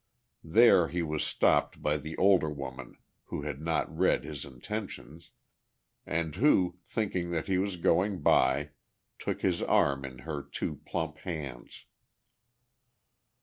There he was stopped by the older woman who had not read his intentions, and who, thinking that he was going by, took his arm in her two plump hands.